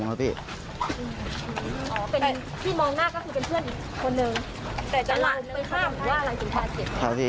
แต่จะลั่นไปข้ามหรือว่าอะไรเป็นภาษี